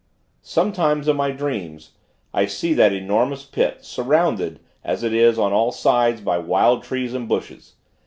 Sometimes, in my dreams, I see that enormous pit, surrounded, as it is, on all sides by wild trees and bushes.